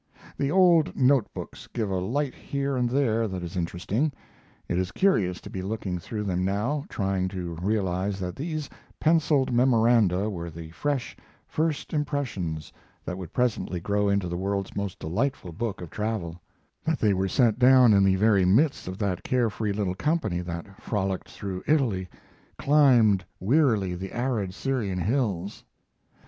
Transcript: The old note books give a light here and there that is interesting. It is curious to be looking through them now, trying to realize that these penciled memoranda were the fresh, first impressions that would presently grow into the world's most delightful book of travel; that they were set down in the very midst of that care free little company that frolicked through Italy, climbed wearily the arid Syrian hills.